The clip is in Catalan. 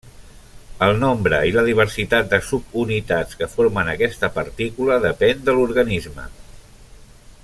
El nombre i la diversitat de subunitats que formen aquesta partícula depèn de l'organisme.